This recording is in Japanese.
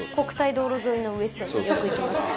道路沿いのウエストによく行きます。